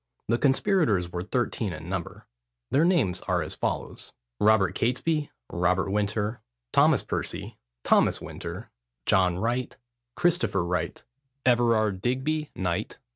The conspirators were thirteen in number. Their names were as follows:— Robert Catesby, Robert Winter, Thomas Percy, Thomas Winter, John Wright, Christopher Wright, Everard Digby, Knt.